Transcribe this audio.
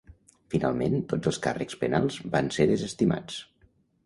Finalment, tots els càrrecs penals van ser desestimats.